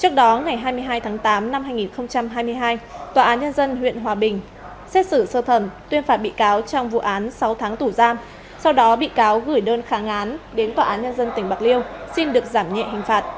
trước đó ngày hai mươi hai tháng tám năm hai nghìn hai mươi hai tòa án nhân dân huyện hòa bình xét xử sơ thẩm tuyên phạt bị cáo trong vụ án sáu tháng tù giam sau đó bị cáo gửi đơn kháng án đến tòa án nhân dân tỉnh bạc liêu xin được giảm nhẹ hình phạt